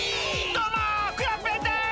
どうもクヨッペンです！